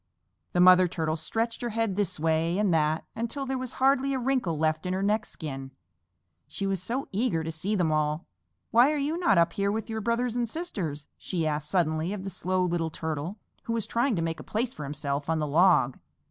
The Mother Turtle stretched her head this way and that until there was hardly a wrinkle left in her neck skin, she was so eager to see them all. "Why are you not up here with your brothers and sisters?" she asked suddenly of the Slow Little Turtle, who was trying to make a place for himself on the log.